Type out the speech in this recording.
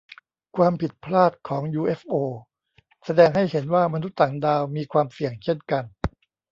ความผิดพลาดของยูเอฟโอแสดงให้เห็นว่ามนุษย์ต่างดาวมีความเสี่ยงเช่นกัน